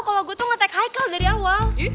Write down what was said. kalau gue tuh nge take haikal dari awal